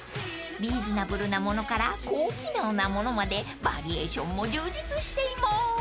［リーズナブルなものから高機能なものまでバリエーションも充実しています］